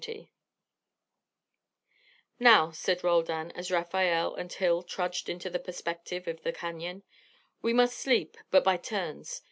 XX "Now," said Roldan, as Rafael and Hill trudged into the perspective of the canon, "we must sleep, but by turns.